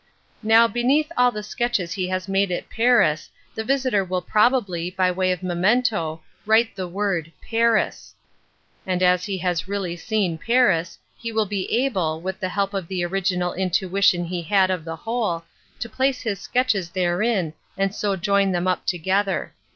Now beneath all the sketches he has made at Paris the visitor will probably, by way of memento, write the word " Paris." And N 28 ^n Introduction to as he has really seen Paris, he will be able, with the help of the original intnitiou he had of the whole, to place his sketches therein, and so join them up together.